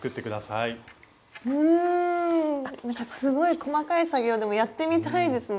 うんなんかすごい細かい作業でもやってみたいですね。